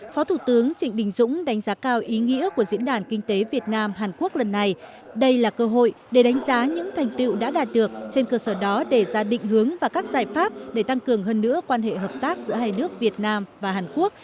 phó thủ tướng chính phủ trịnh đình dũng dự và phát biểu